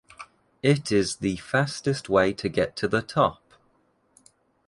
It is the fastest way to get to the top.